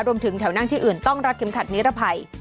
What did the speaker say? แถวนั่งที่อื่นต้องรัดเข็มขัดนิรภัย